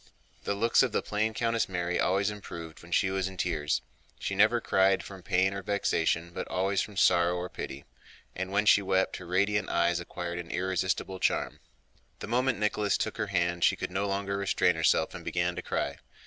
The looks of the plain Countess Mary always improved when she was in tears. She never cried from pain or vexation, but always from sorrow or pity, and when she wept her radiant eyes acquired an irresistible charm. The moment Nicholas took her hand she could no longer restrain herself and began to cry.